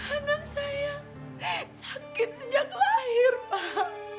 anak saya eh sakit sejak lahir pak